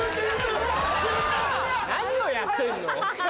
何をやってんの！